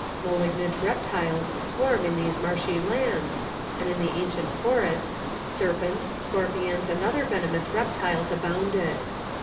Malignant reptiles swarm in these marshy lands, and in the ancient forests, serpents, scorpions, and other venomous reptiles abounded.